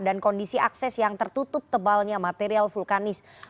dan kondisi akses yang tertutup tebalnya material vulkanis